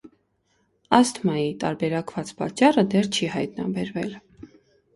Ասթմայի տարբերակված պատճառըդեռ չի հայտնաբերվել։